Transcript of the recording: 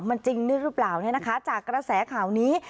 มันจริงนี่หรือเปล่าจากกระแสข่านี้